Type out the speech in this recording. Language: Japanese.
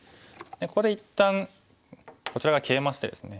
ここで一旦こちら側ケイマしてですね。